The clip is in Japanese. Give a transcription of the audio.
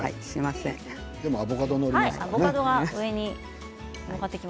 でもアボカドが載りますからね。